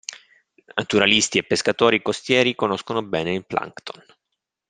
Naturalisti e pescatori costieri conoscono bene il plankton.